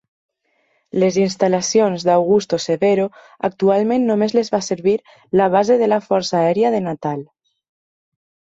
Les instal·lacions d'Augusto Severo actualment només les fa servir la Base de la Força Aèria de Natal.